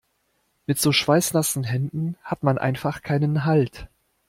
Mit so schweißnassen Händen hat man einfach keinen Halt.